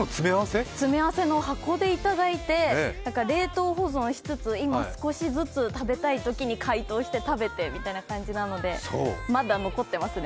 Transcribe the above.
詰め合わせの箱でいただいて冷凍保存しつつ、今、少しずつ食べたいときに解凍して食べてみたいな感じなのでまだ残ってますね。